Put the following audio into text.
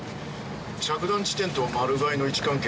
着弾地点とマルガイの位置関係